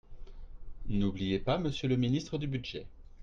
N’oubliez pas Monsieur le ministre du budget.